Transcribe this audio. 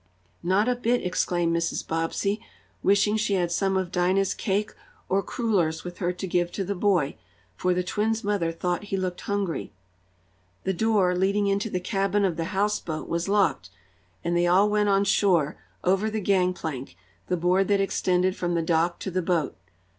"Not a bit!" exclaimed Mrs. Bobbsey, wishing she had some of Dinah's cake or crullers with her to give to the boy, for the twins' mother thought he looked hungry. The door, leading into the cabin of the houseboat was locked, and they all went on shore, over the gangplank, the board that extended from the dock to the boat.